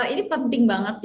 ini penting banget